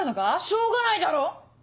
しょうがないだろ。